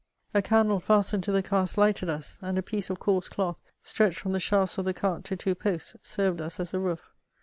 A candle festened to the cask lighted us, and a piece of coarse cloth, stretched from the shafts of the cart to two posts, served us as a roof.